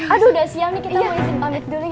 aduh sudah siang nih kita mau duduk